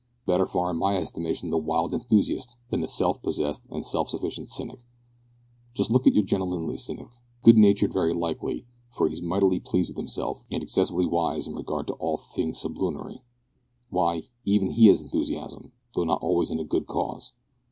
Better far in my estimation the wild enthusiast than the self possessed and self sufficient cynic. Just look at your gentlemanly cynic; good natured very likely, for he's mightily pleased with himself and excessively wise in regard to all things sublunary. Why, even he has enthusiasm, though not always in a good cause.